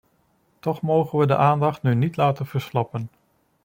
Toch mogen we de aandacht nu niet laten verslappen.